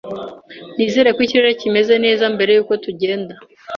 Nizere ko ikirere kimeze neza mbere yuko tugenda.